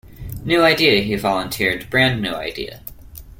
New idea, he volunteered, brand new idea.